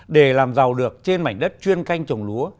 để làm giàu được trên mảnh đất chuyên canh trồng lúa